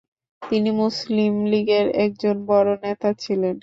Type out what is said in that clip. তিনি মুসলিমলীগের একজন বড় নেতা ছিলেন।